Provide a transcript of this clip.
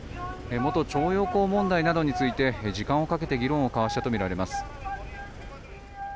元徴用工問題などについて時間をかけて議論を交わしたとみられます。